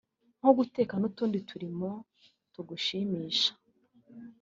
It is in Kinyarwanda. nko guteka n’utundi turimo tugushimisha